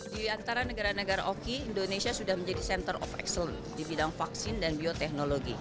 di antara negara negara oki indonesia sudah menjadi center of excellence di bidang vaksin dan bioteknologi